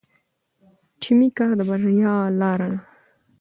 ټیمي کار د بریا لاره ده.